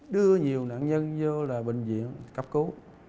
đưa nhiều nạn nhân vô là bệnh viện cấp cứu